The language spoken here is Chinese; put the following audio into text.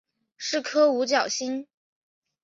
是颗五角星。